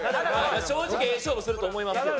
正直ええ勝負すると思いますけど。